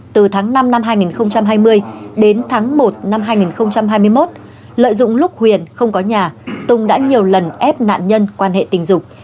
từ tháng năm năm hai nghìn hai mươi đến tháng một năm hai nghìn hai mươi một lợi dụng lúc huyền không có nhà tùng đã nhiều lần ép nạn nhân quan hệ tình dục